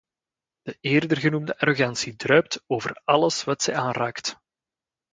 De eerder genoemde arrogantie druipt over alles wat zij aanraakt.